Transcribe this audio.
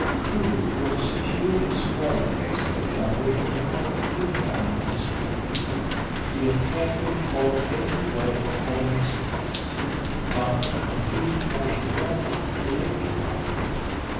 Crewe, who had secured his former place in the gallery of the court, looked down on the speaker. He had carefully followed every word of Holymead's address, but the concluding portion almost electrified him.